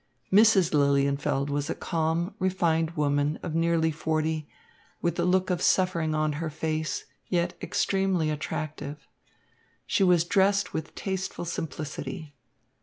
Mrs. Lilienfeld was a calm, refined woman of nearly forty, with a look of suffering on her face, yet extremely attractive. She was dressed with tasteful simplicity.